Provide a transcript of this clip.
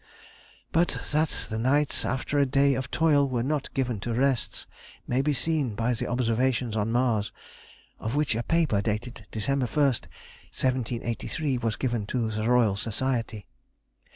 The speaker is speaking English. But that the nights after a day of toil were not given to rest, may be seen by the observations on Mars, of which a paper, dated December 1, 1783, was given to the Royal Society.